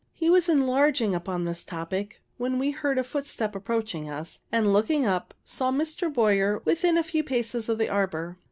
He was enlarging upon this topic, when we heard a footstep approaching us, and, looking up, saw Mr. Boyer within a few paces of the arbor.